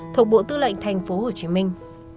thục bộ tư lệnh thành phố hồ chí minh